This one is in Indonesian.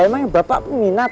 emangnya bapak peminat